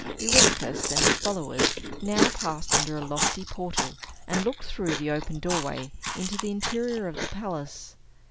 Eurylochus and his followers now passed under a lofty portal, and looked through the open doorway into the interior of the palace.